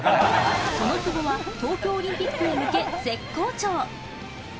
その久保は東京オリンピックへ向け、絶好調。